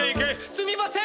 すみません！